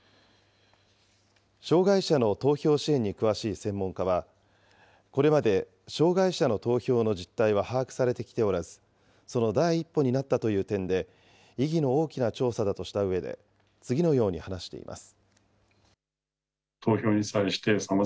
障害者の投票支援に詳しい専門家は、これまで障害者の投票の実態は把握されてきておらず、その第一歩になったという点で意義の大きな調査だとしたうえで、次のように話しています。